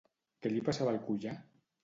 Què li passava al collar?